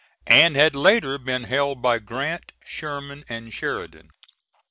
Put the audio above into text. and had later been held by Grant, Sherman, and Sheridan.